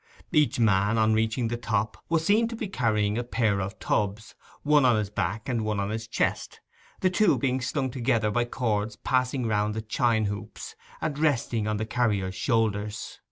Each man on reaching the top was seen to be carrying a pair of tubs, one on his back and one on his chest, the two being slung together by cords passing round the chine hoops, and resting on the carrier's shoulders.